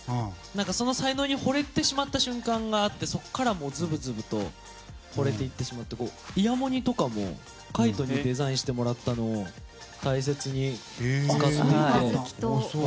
その才能に惚れてしまった瞬間があって、そこからズブズブ惚れていってしまってイヤモニとかも海人にデザインしてもらったのを大切に使っていて。